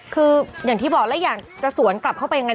คืออย่างที่บอกแล้วอยากจะสวนกลับเข้าไปยังไง